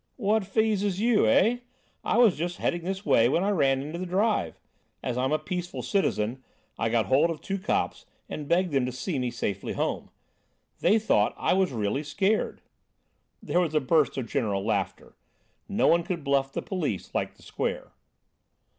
"That feazes you, eh! I was just heading this way when I ran into the drive. As I'm a peaceful citizen, I got hold of two cops and begged them to see me safely home. They thought I was really scared." There was a burst of general laughter. No one could bluff the police like the Square.